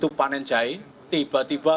itu panen jahe tiba tiba